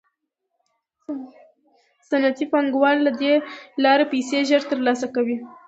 صنعتي پانګوال له دې لارې پیسې ژر ترلاسه کوي